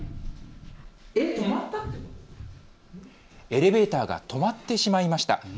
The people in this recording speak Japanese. エレベーターが止まってしまいました。